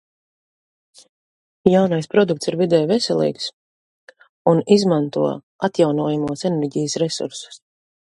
The new product is healthy for the environment as it uses renewable energy sources.